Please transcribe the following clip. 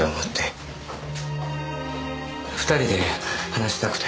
２人で話したくて。